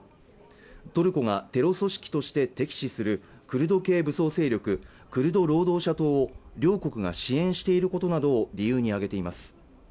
トルコがテロ組織として敵視するクルド系武装勢力クルド労働者党を両国が支援していることなどを理由に挙げています